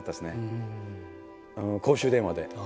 公衆電話で。